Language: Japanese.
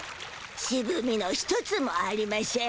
シブみの一つもありましぇん。